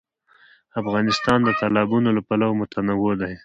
افغانستان د تالابونه له پلوه متنوع دی.